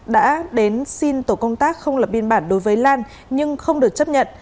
đã đến xin tổ công tác không lập biên bản đối với lan nhưng không được chấp nhận